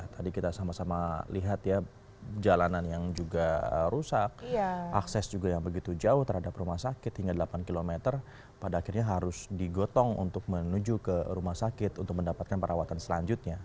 tadi kita sama sama lihat ya jalanan yang juga rusak akses juga yang begitu jauh terhadap rumah sakit hingga delapan km pada akhirnya harus digotong untuk menuju ke rumah sakit untuk mendapatkan perawatan selanjutnya